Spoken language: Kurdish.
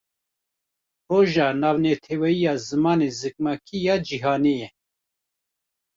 Roja Navneteweyî ya Zimanê Zikmakî Ya Cîhanê ye.